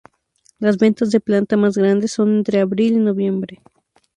Las ventas de planta más grandes son entre abril y noviembre.